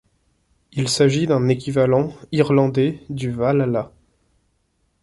Il s'agit d'un équivalent irlandais du Valhalla.